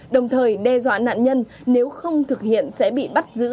đồng thời đe dọa nạn nhân nếu không thực hiện sẽ bị bắt giữ